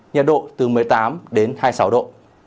nhiệt độ từ một mươi tám đến hai mươi sáu độ